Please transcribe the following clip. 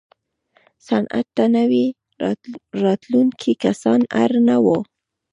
صنعت ته نوي راتلونکي کسان اړ نه وو.